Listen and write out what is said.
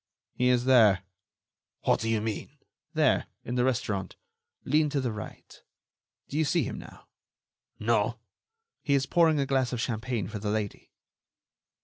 "He is there." "What do you mean?" "There ... in the restaurant. Lean to the right.... Do you see him now?" "No." "He is pouring a glass of champagne for the lady."